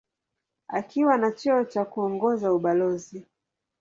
Akiwa na cheo cha kuongoza ubalozi.